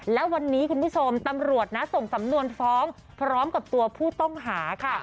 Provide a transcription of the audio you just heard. และวันนี้คุณผู้ชมตำรวจนะส่งสำนวนฟ้องพร้อมกับตัวผู้ต้องหาค่ะ